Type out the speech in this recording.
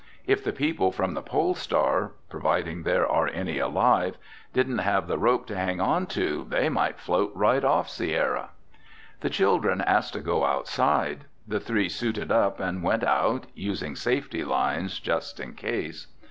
If the people from the Pole Star—providing there are any alive—didn't have the rope to hang on to, they might float right off Sierra." The children asked to go outside. The three suited up and went out, using safety lines, just in case.